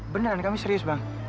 beneran kami serius bang